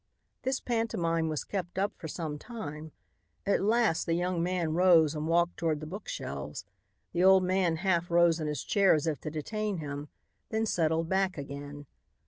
This pantomime was kept up for some time. At last the young man rose and walked toward the bookshelves. The old man half rose in his chair as if to detain him, then settled back again.